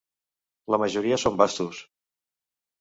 La majoria són vastos.